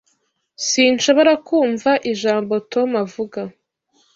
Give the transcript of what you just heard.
Sinshobora kumva ijambo Tom avuga.